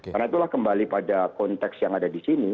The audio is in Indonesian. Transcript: karena itulah kembali pada konteks yang ada disini